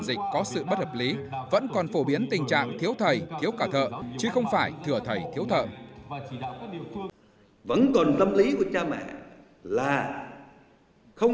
dịch có sự bất hợp lý vẫn còn phổ biến tình trạng thiếu thầy thiếu cả thợ chứ không phải thừa thầy thiếu thợ